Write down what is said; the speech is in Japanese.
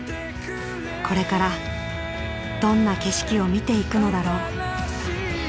これからどんな景色を見ていくのだろう。